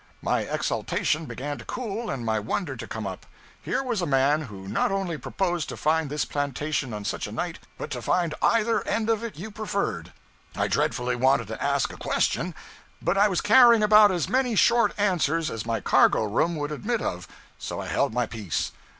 My exultation began to cool and my wonder to come up. Here was a man who not only proposed to find this plantation on such a night, but to find either end of it you preferred. I dreadfully wanted to ask a question, but I was carrying about as many short answers as my cargo room would admit of, so I held my peace.